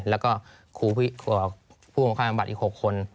แล้วก็ครูพี่อ่าผู้ค่าพันธ์บัตรอีก๖คน